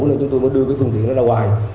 để chúng tôi mới đưa cái phương tiện đó ra ngoài